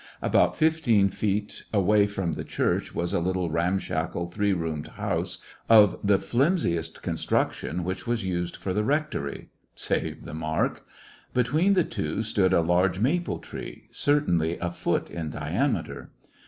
About fifteen feet away from the church was a little ramshackle three roomed house of the fiimsi est construction which was used for the rectory —save the mark ! Between the two stood a large maple tree, certainly a foot in diameter.